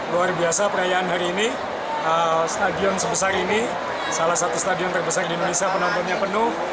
luar biasa perayaan hari ini stadion sebesar ini salah satu stadion terbesar di indonesia penontonnya penuh